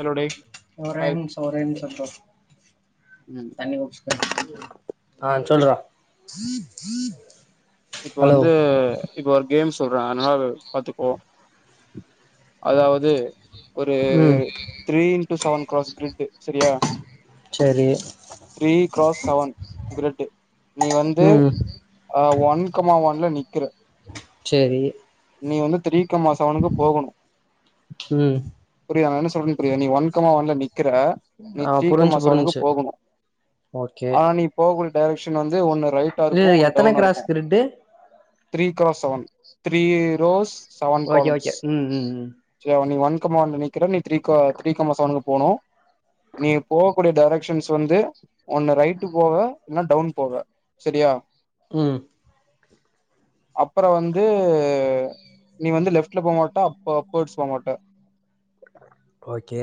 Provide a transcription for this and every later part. hello டேய் ஒரே hi நிமிஷோ ஒரே நிமிஷோ ப்ரோ ம் தண்ணி குடிச்சிக்குற ஆ சொல்ட்றா இப்போ வந்து இப்போ ஒரு கேம்ஸ் சொல்ற அதனால பாத்துக்கோ அதாவது ஒரு ம் three in two seven cross grid சரியா சேரி த்ரீ கிராஸ் செவன் கிரிட்டு நீ வந்து ம் ஒன் கமா ஒன்ல நி க்கிற ச்சேரி நீ ஒன்னு த்ரீ மாசனுக்கு போகணு ம் புரி நா என்ன சொன் [unintelligible] நீ ஒன்கமா வல நீ க்கிற நீ ஆ த்ரீ புரிஞ்சு கமாசவனுக்கு புரிஞ்சு போகணு ஓகே ஆனா நீ போக டைரெக்ஷன் வந் து ஒன்னு ரைட்டா இது இருக்கு ஒன்னு எத்தன டவுனா இருக்கு கிராஸ் கிரிட்டு த்ரீ க செவன் த three rows seven okay columns okay ம் ம் ம் சரியா நீ ஒன் கமா ஒன் நிக்கிற நீ த்ரீ க கமா செவன்க்கு போனு நீ போக்கூடிய டேரெக்ஷன்ஸ் வந்து ஒன்னு ரைட்டு போக இல்ல டவுன் போக செரியா உம் அப்பற வந்து நீ வந்து லெஃப்ட்ல போ மாட்ட அப்ப பெட் சொல்ல‌மாட்ட ஓகே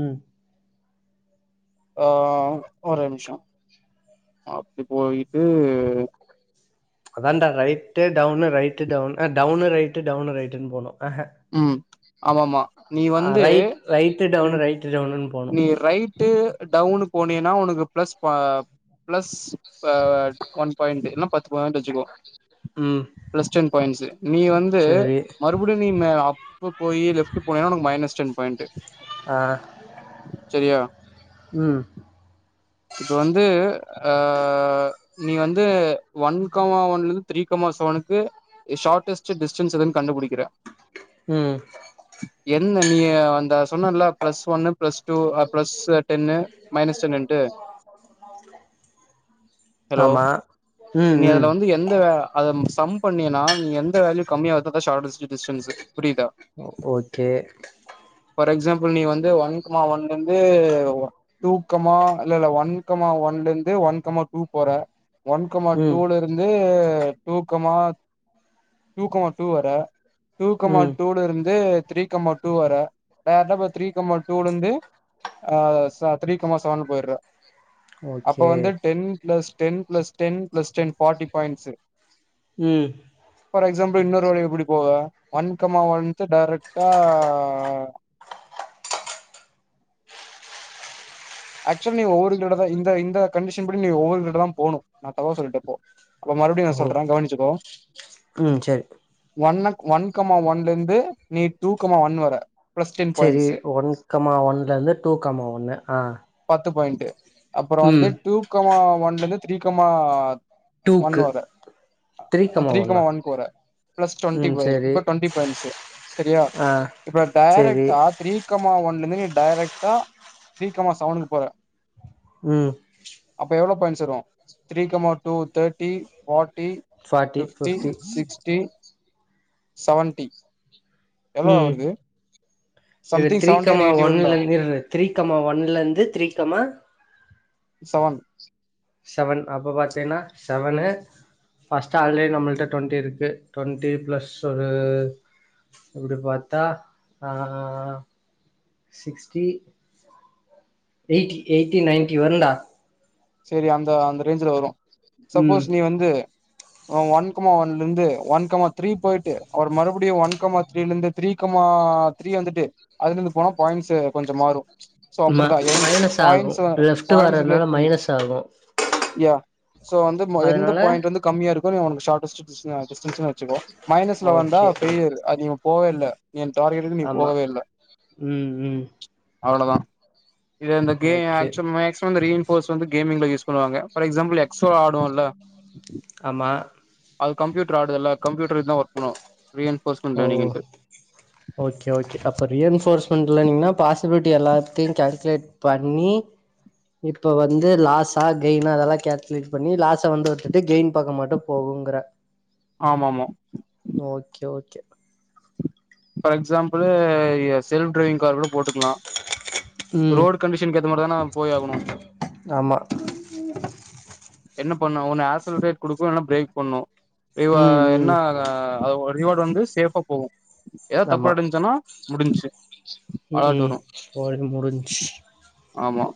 உம் ஆஹ் ஒரே நிம்ஷோ அப்டி போயிட்டு அதான்டா ரைட்டு டவுனு ரைட்டு டவுனு அஹ் டவுனு ரைட்டு டவுனு ரைட்டுன் போனு அஹ ஆமாம்மா ஆஹ் ரைட் ரைட்டு டவுனு ரைட்டு டவுனுன் நீ ரைட் ட்டு டவுனு போனினா உனக்கு ப்ளஸ் பா ப்ளஸ் அஹ் ஒன் பாய்ண்ட்டு இல்ல பத்து பாய்ண்ட்டு வச்சுக்குவோ ம் ப்ளஸ் டென் பாய்ண்ட்ஸு நீ வந்து சேரி மறுபடியு நீனு அப்பு போய் லெஃப்ட்டு போனினா உனக்கு மைனஸ் டென் பாய்ண்ட்டு ஆஹ் செரியா இப்ப வந்து ஆஹ் நீ வந்து ஒன் கமா ஒன்லருந்து த்ரீ கமா செவனுக்கு எ ஷார்ட்டஸ்ட்டு டிஸ்டன்ஸ் எதுன் கண்டுபுடிக்கிற உம் என்ன நீயி அந்த சொன்னல்ல ப்ளஸ் ஒன்னு ப்ளஸ் டூ ஆஹ் ப்ளஸ்சு டென்னு மைனஸ் டென்னுன்ட்டு ஹலோ ஆமா ம் நீ ம் அதுல வந்து எந்த அதும் சம் பண்ணினா நீ எந்த வேல்யூ கம்மியாகுதோ அதா ஷார்ட்டஸ்ட்டு டிஸ்டன்ஸ்சு புரியுதா ஓ ஓகே ஃபார் எக்ஸாம்பிள் நீ வந்து ஒன் கமா ஒன்லருந்து டூ கமா இல்லல்ல ஒன்கமா ஒன்ல இருந்து ஒன்கமா டூ போற ஒன்கமா ம் டூலருந்து இப்ப two comma two comma two வர டூ கமா ம் டூலருந்து த்ரீ கமா டூ வர டேரக்டா இப்ப த்ரீ கமா டூலருந்து ஆஹ் ச த்ரீ கமா சவன் போய்ற அப்ப ஓகே வந்து ten plus ten plus ten plus ten forty points உம் அஹ் எக்ஸாம்பிள் இன்னொரு வழி எப்புடி போவ ஒன் கமா ஒன்க்கு டேரக்ட்டா ஆக்சுவல் நீங்க ஒவ்வொரு தட தா இந்த இந்த கண்டிஷன் படி நீங்க ஒவ்வொரு தட தா போனு நா தவ்வா சொல்லிட்டே இப்போ அத மறுப்டியு நா ஓ சொல்றே கவனிச்சுக்கோ ம் சரி ஒன்னு ஒன்கமா ஒன்ல இருந்து நீ டூக்கமா ஒன் வர பிளஸ் டென் செரி பாயிண்ட்ஸ் ஒன் கமா ஒன்ல இருந்து டூ கமா ஒண்ணு ஆஹ த்து பாயிண்டு அப்புறம் வந்து டூக்கமா ஒன்லந்து த்ரீகமா ஒன் டூக்கு வர த்ரீ கமா த்ரீகமா ஒன்னா ஒன்க்கு வர பிளஸ் டுவென்டி ம் வர சரி இப்ப டுவென்டி பாய்ண்ட்ஸ் சரியா ஆ இப்ப சரி டைரக்ட்டா த்ரீகமா ஒன் ந்தனு டைரெக்ட்டா த்ரீகமா செவனுக்கு போற ம்ஹ் zero three comma two thirty forty forty fifty fifty sixty seventy எவ்ளோ ம் வருது இது something seventy three comma or eighty வருண்டா ஒன்னலந்து த்ரீகமா ஒன்னுல இருந்து த்ரீகமா செவன் செவன் அப்ப பாத்தீன்னா செவனு பஸ்ட் ஆல்ரெடி நம்மள்ட்ட டுவெண்ட்டி இருக்கு டுவெண்ட்டி பிளஸ் ஒரு இப்டி பாத்தா ஆஹ் சிக்ஸ்டி எயிட்டி எயிட்டி நைன்டி வருண்டா செரி அந்த அந்த ரேஞ்ச்ல வரும் ம் சப்போஸ் நீ வந்து ஒன்கமா ஒன்ல இருந்து ஒன்கமா த்ரீ போயிட்டு அவர் மறுபடியும் ஒன்கமா த்ரீல இருந்து த்ரீகமா த்ரீ வந்துட்டு அதுல இருந்து போனா பாயிண்ட்ஸ் கொஞ்சோ மாறும் ம மைனஸ் ஆகும் லெஃப்ட் பாயிண்ட்ஸ் வர்றதுனால ரிலேட் பண்ணி மைனஸ் ஆகும் யா பா சோ வந்து எந்த அதனால பாயிண்ட் வந்து கம்மியா இருக் உனக்குசார்ட்டஸ்ட் டிஸ்டன்ஸ்ல வச்சுக்கோ மைனஸ்ல வந்தா ஓகே ஃபெய்லியர் போவே இல்ல என் டார்கெட்டுக்கு நீ ஆமா போகவே இல்லை ம் ம் அவ்வளோதான் ஓகே [unintelligible] இப்ப வந்து கேமிங்ல யூஸ் பண்ணுவாங்க ஃபார் எக்ஸாம்பிள் எக்ஸோ ஆடுவோல்ல ஆமா அது கம்யூட்டர் ஆடுதுல ல கம்யூட்டர் இதான் வொர்க் பண்ணும் ஓ ஓகே ஓகே அப்ப ரீயன்போர்ஸ் பண்ணலைனா பாசிபிலிட்டி எல்லாத்தையும் கால்குலேட் பண்ணி இப்ப வந்து லாஸா கெயினா அதெல்லாம் கால்குலேட் பண்ணி லாஸ வந்து ஒருத்துட்டு கெயின் பாக்க மட்டு போகுங்கற ஆமா ஆமா okay okay for example self driving car கூட போட்டுக்கலா உம் ரோடு கண்டிஷனுக்கு ஏத்த மாரி தான போய் ஆகணு ஆமா என்ன ப்ப ஒன்னு ஒன்னு ஆசலடேட் கொடுக்கு இல்ல பிரேக் பண்ணு இவ ம் என்ன ம் ரிவார்டு வந்து சேஃபா போகு ஏதாவது தப்பு ஆமா நடந்துச்சுன்னா முடிஞ்ச்சு உம் அலாட் உம் வரு போ முடிஞ்சு ஆமா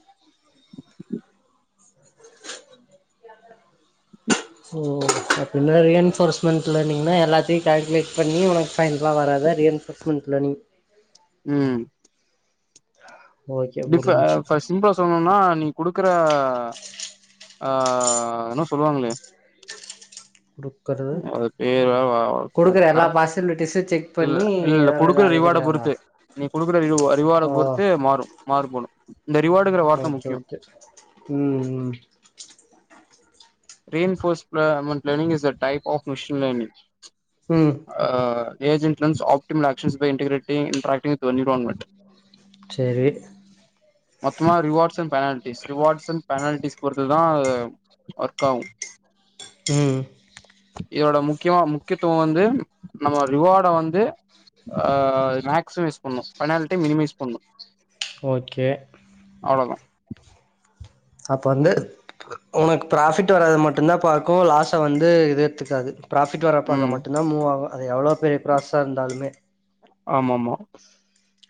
ம் அப்டினா ரீன்ஃபோர்ஸ்மெண்ட்ல இருந்தீங்கனா எல்லாத்தையு கால்குலேட் பண்ணி உனக் ஃபைனலா வராத ரீன்ஃபோர்ஸ்மெண்ட் பழனி உம் ஓகே டிஃபா புரிஞ்சு ஃபா சிம்பிளா சொன்னணுனா நீ கொடு க்கற ஆஹ் [unintelligible] அது பெயர் குடுக்குற எல்லா பாசிபிலிட்டிஸு செக் எல்லா பண்ணி இல்ல எதனா இது குடுக்குற ரிவார்டு ஆகுதுங்கிறதா பொறுத்து நீ குடுக்குற ரிவார்ட ஓ பொறுத்து மாறும் மாறுபடு இந்த ரிவார்டுங்கிற வார்த்த ஓகே முக்கிய ஓகே ம் ம் reinforcement is a type of machine learning ம் ஆஹ் agent learns optimal action by integrating and interacting with environment செரி மொத்தமா ரிவார்ட்ஸ் [inaudible] ரிவார்ட்ஸ் அண்ட் பெனால்டி பொறுத்து தா காவு உம் இதோட முக்கியமா முக்கியத்துவ வந்து நம்ம ரிவார்ட வந்து ஆஹ் மேக்சிமைஸ் பண்ணு பெனால்ட்டி மினிமைஸ் பண்ணு ஓகே அவ்லதா அப்ப வந்து உனக்கு ப்ராஃபிட் வராத மட்டும்தா பாக்கு லாஸ் வந்து இது எத்துக்காது ப்ராஃபிட் வர பக்க ம் மட்டுந்தா மூவ் ஆகு அது எவ்வளோ பெரிய ப்ராசஸா இருந்தாலுமே ஆமமா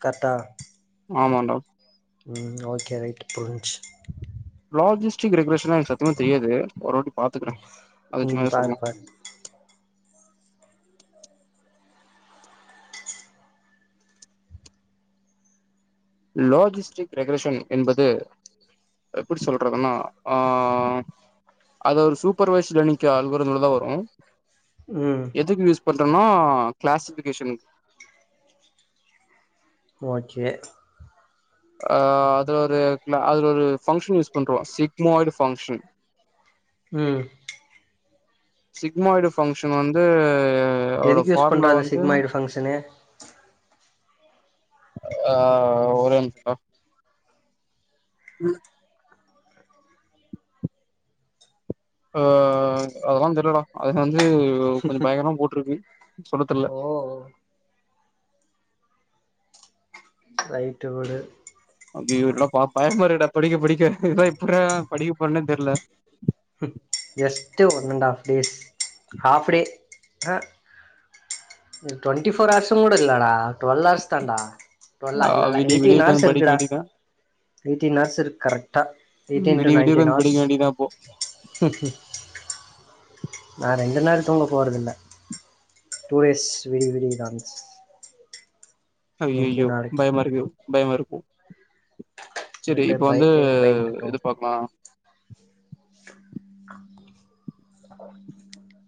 கரக்ட்ட ஆமாண்டா ம் ஓகே ரைட் புரிஞ்சு லாஜிஸ்டிக் ரெகுலேஷன எனக்கு சத்தியமா தெரியாது ஒருவாட்டி பாத்துக்குற அத ம் வச்சுதா பாரு சொல்லுவோ பாரு லாஜிஸ்டிக் ரெகரஷன் என்பது எப்டி சொல்றதுனா ஆ அத ஒரு சூப்பர்வைஸ் லேர்னிங்கு அல்கோரிதம்லதா வரோ உம் பாத்தோனா கிளாசிபிகேஷனுக்கு ஓகே ஆ அதுல ஒரு அதுல ஒரு ஃபங்க்ஷன் யூஸ் பண்றோவ சிக்மாய்டு ஃபங்க்ஷன் உம் சிக்மாய்டு ஃபங்க்ஷன் வந்து அதோட தெதுக்கு யூஸ் ஃபார்முலா பண்ற அந்த வந்து சிக்மாயடு ஃபங்க்ஷனு ஆ ஒரே நிம்ஷோ உம் ஆ அதெல்லா தெர்லடா அது வ து கொஞ்சோ பயங்கரமா போட்டிருக்கு சொல்ல தெர்ல ஓ லைட்டு உடு அய்யய்யோ என்னடா பா பயமா இருக்குடா படிக்க படிக்க இதலா இப்புறா படிக்க போறனே தெர்ல உம் just one and half days half day ஆ டுவென்டி ஃபோர் ஹார்சும் கூட இல்லடா டுவல்வ் ஹார்ஸ் தான்டா டுவல்லா ஆ இல்லல்ல விடிய எயிட்டீன் விடிய ஹார்ஸ் உக்காந்து படிக்க இருக்குடா வேண்டியதான் எயிட்டீன் ஹார்ஸ் இரு கரெக்டா எயிட்டீன் டூ விடிய விடிய நைன்டீன் உக்காந்து ஹார்ஸ் படிக்க வேண்டியதான் அப்போ உம் உம் நா ரெண்டு நாள் தூங்க போறதில்ல டூ டேஸ் விடி விடிய இதா [inaudible] அய்யய்யோ பயமா இருக்கு பயம இருக்கோ செரி விடு இப்ப வந்து பயத்தவே பயந்துட்டோ எது பாக்கலா [unintelligible]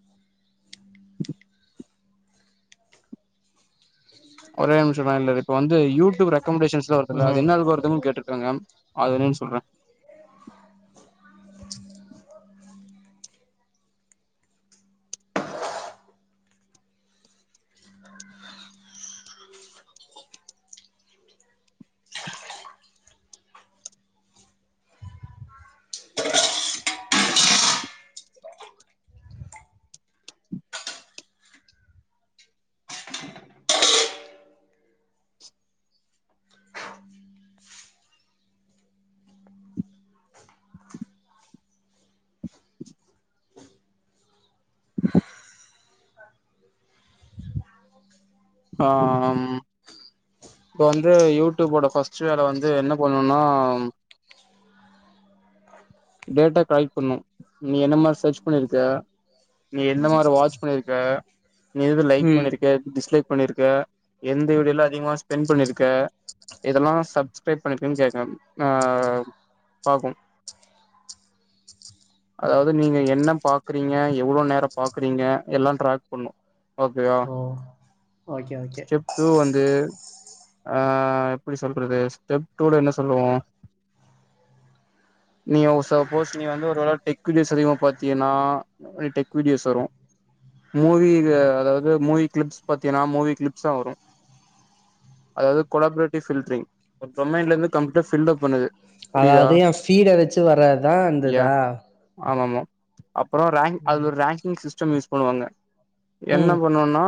ஒரே நிமிஷம் லயின்ல இரு இப்ப வந்து யூடியூப் ரெகம்டேஷன்ஸ்லா வருதுல அது ம் என்ன அல்கோரிதம்னு கேட்டுருக்காங்க அது என்னென்னு சொல்றே ஆம் இப்போ வந்து யூடியூபோட ஃபர்ஸ்ட் ஷேர வந்து என்ன பண்ணுன்னா டேட்டா கலெக்ட் பண்ணு நீ என்ன மார் சர்ச் பண்ணிருக்க நீ என்ன மாரி வாட்ச் பண்ணிருக்க நீ எது லைக் ம் பண்ணிருக்க டிஸ்லைக் பண்ணிருக்க எந்த வீடியோல அதிகம ஸ்பெண் பண்ணிருக்க இதெல்லா சப்ஸ்கிரைப் பண்ணீர்கனு கேக்கூ ஆ பாக்கூ அதாவது நீங்க என்ன பாக்குறீங்க எவ்ளோ நேரோ பாக்குறீங்க எல்லா டிராக் பண்ணு ஓகேயா oh okay okay step two வந்து ஆ எப்டி சொல்றது ஸ்டெப் டூல என்ன சொல்லுவோ நீ ஓ சப்போஸ் நீ வந்து ஒருவேள டெக் வீடியோஸ் அதிகமா பாத்தீயனா டெக் வீடியோஸ் வரோ மூவி அதாவது மூவி கிளிப்ஸ் பாத்தீயனா மூவி கிளிப்ஸ்சா வரோ அதாவது கொலாபரேட்டிவ் ஃபில்ட்ரிங் டொமைன்ல இருந்து கம்ப்ளீட்டா ஃபில்லப் பண்ணுது புரியுதா அதாது எ ஃபீட் த வெச்சு வரதுதா அந்த இதா அப்பறோ ரேங்க் அதுல ஒரு ரேங்கிங் சிஸ்டம் யூஸ் பண்ணுவாங்க என்ன ம் பண்ணுன்னா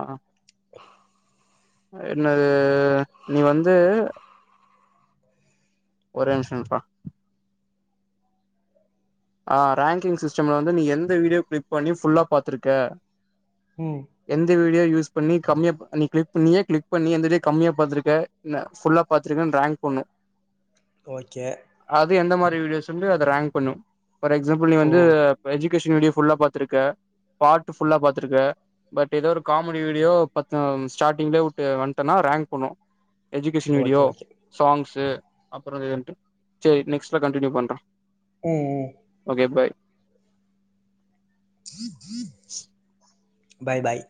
ஆஹ் என்னது நீ வந்து ஒரே நிம்சம்பா ஆஹ் ரேங்கிங் சிஸ்டம்ல வந்து நீ எந்த வீடியோ கிளிக் பண்ணி ஃபுல்லா பாத்துருக்க ம் எந்த வீடியோ யூஸ் பண்ணி கமியாப் நீ க்ளிப் நீயே கிளிக் பண்ணி எந்த வீடியோ கம்மியா பாத்துருக்க ந ஃபுல்லா பாத்துருக்கனு ரேங்க் பண்ணனு ஓகே வீடியோஸுந்து அது ரேங்க் பண்ணு ஃபார் எக்ஸாம்புல் நீ ஓ வந்து எஜிகேஷன் வீடியோ ஃபுல்லா பாத்துருக்க பாட்டு ஃபுல்லா பாத்துருக்க பட் ஏதோ ஒரு காமெடி வீடியோ பத்து ஸ்டாட்டிங்லே உட்டு வந்ட்டனா ரேங்க் பண்ணு education video okay okay songs அப்புறொ இதுன்ட்டு செரி நெக்ஸ்ட்ல கண்டின்யூ பண்றே ம் ம் ஓகே பாய் [inaudible] பாய் பாய்